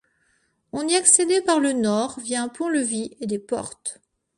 On y accédait par le nord via un pont-levis et des portes.